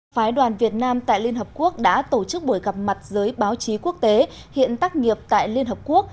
phái đoàn việt nam tại liên hợp quốc đã tổ chức buổi gặp mặt giới báo chí quốc tế hiện tác nghiệp tại liên hợp quốc